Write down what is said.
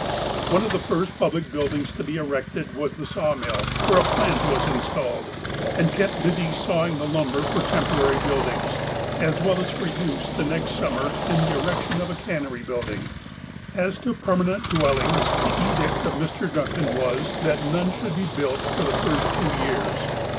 One of the first public buildings to be erected was the sawmill, where a plant was installed, and kept busy saw ing the lumber for temporary buildings, as well as for use the next summer in the erection of a cannery building. As to i)ermauent dwellings, the edict of Mr, Duncan was that none should be built for the first two years.